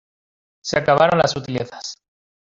se acabaron las sutilezas.